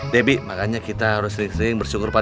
debbie makanya kita harus sering sering bersyukur pada ibu